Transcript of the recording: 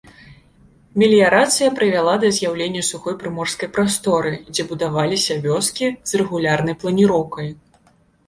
Меліярацыя прывяла да з'яўлення сухой прыморскай прасторы, дзе будаваліся вёскі з рэгулярнай планіроўкай.